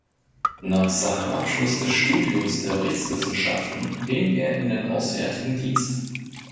Nach seinem Abschluss des Studiums der Rechtswissenschaften ging er in den Auswärtigen Dienst.